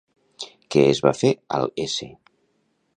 Què es va fer al s.